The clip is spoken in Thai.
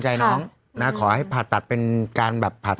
ขอให้ผ่าตักเป็นการพัดแบบ